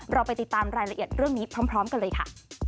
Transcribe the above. เราไปติดตามรายละเอียดเรื่องนี้พร้อมกันเลยค่ะ